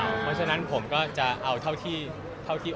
เพราะฉะนั้นผมก็จะเอาเท่าที่โอเคแล้วกัน